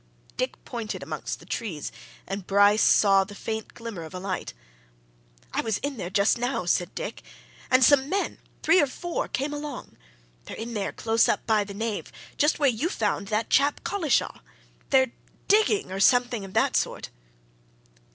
Dick pointed amongst the trees, and Bryce saw the faint glimmer of a light. "I was in there just now," said Dick. "And some men three or four came along. They're in there, close up by the nave, just where you found that chap Collishaw. They're digging or something of that sort!"